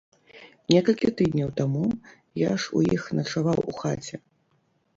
Некалькі тыдняў таму я ж у іх начаваў у хаце.